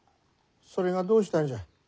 それがどうしたんじゃ。